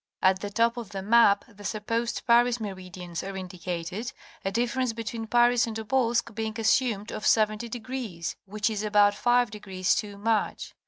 At the top of the map the sup posed Paris meridians* are indicated, a difference between Paris and Tobolsk being assumed of 70° degrees, which is about five degrees too much.